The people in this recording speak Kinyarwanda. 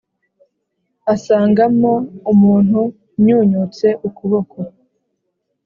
asangamo umuntu unyunyutse ukuboko